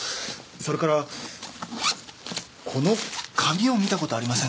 それからこの紙を見たことありませんか？